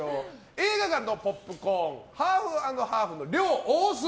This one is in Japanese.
映画館のポップコーンハーフ＆ハーフの量多すぎ。